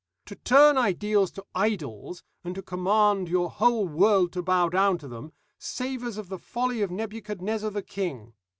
To turn ideals to idols, and to command your whole world to bow down to them, savours of the folly of Nebuchadnezzar the king.